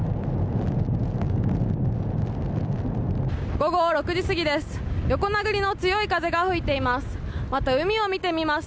午後６時過ぎです。